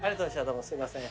どうもすいません。